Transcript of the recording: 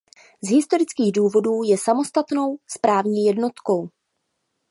Z historických důvodů je samostatnou správní jednotkou.